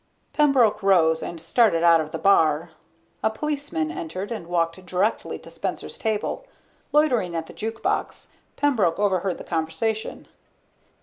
Pembroke rose and started out of the bar. A policeman entered and walked directly to Spencer's table. Loitering at the juke box, Pembroke overheard the conversation.